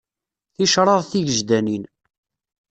Ticraḍ tigejdanin.